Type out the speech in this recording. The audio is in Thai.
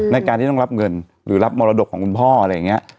ในการที่ต้องรับเงินหรือรับมรดกของคุณพ่ออะไรอย่างนี้